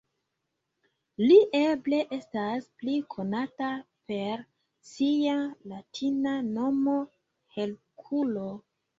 Li eble estas pli konata per sia latina nomo Herkulo.